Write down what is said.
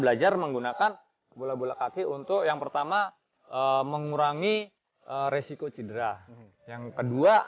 belajar menggunakan bola bola kaki untuk yang pertama mengurangi resiko cedera yang kedua